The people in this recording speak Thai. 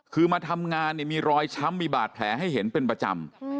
คือมาทำงานเนี่ยมีรอยช้ำมีบาดแผลให้เห็นเป็นประจำ